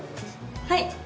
はい！